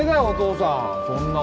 お父さん